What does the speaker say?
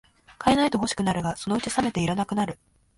買えないと欲しくなるが、そのうちさめていらなくなる